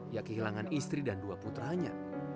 ia kehilangan istri dan dua putranya